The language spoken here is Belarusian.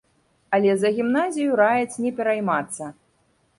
Але за гімназію раяць не пераймацца.